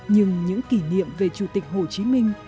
nhưng những kỷ niệm về chủ tịch hồ chí minh